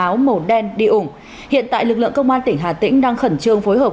áo màu đen đi ủng hiện tại lực lượng công an tỉnh hà tĩnh đang khẩn trương phối hợp